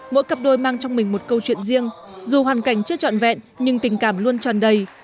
mỗi cặp đôi mang trong mình một câu chuyện riêng dù hoàn cảnh chưa trọn vẹn nhưng tình cảm luôn tràn đầy